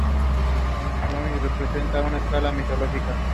Poussin representa una escena mitológica.